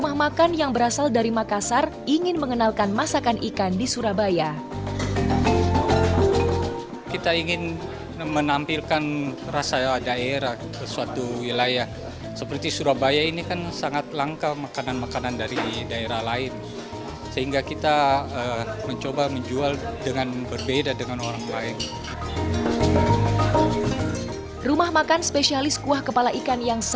harga ini belum termasuk pajak